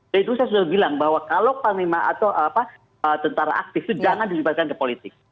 dari itu saya sudah bilang bahwa kalau panglima atau tentara aktif itu jangan dilibatkan ke politik